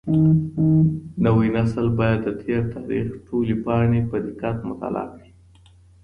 نوی نسل بايد د تېر تاريخ ټولې پاڼې په دقت مطالعه کړي.